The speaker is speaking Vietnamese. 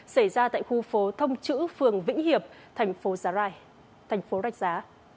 xảy ra tại khu phố thông chữ phường vĩnh hiệp thành phố rạch giá